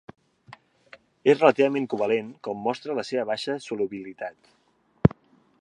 És relativament covalent com mostra la seva baixa solubilitat.